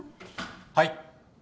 はい。